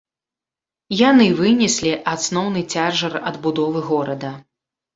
Яны вынеслі асноўны цяжар адбудовы горада.